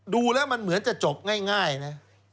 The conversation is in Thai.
ดูแล้วมันเหมือนจะจบง่ายนะ